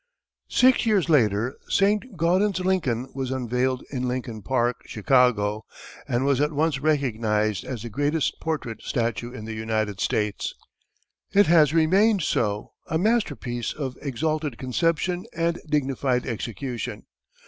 Six years later Saint Gaudens's "Lincoln" was unveiled in Lincoln Park, Chicago, and was at once recognized as the greatest portrait statue in the United States. It has remained so a masterpiece of exalted conception and dignified execution.